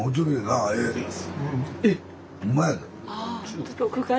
ありがとうございます。